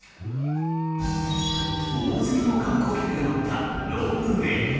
大勢の観光客が乗ったロープウェー。